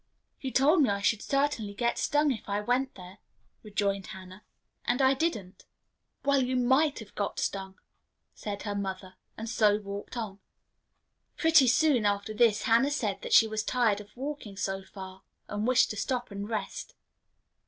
"You told me I should certainly get stung if I went there," rejoined Hannah, "and I didn't." "Well, you might have got stung," said her mother, and so walked on. Pretty soon after this Hannah said that she was tired of walking so far, and wished to stop and rest.